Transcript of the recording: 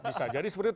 bisa jadi seperti itu